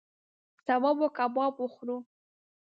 سبا به کباب وخورو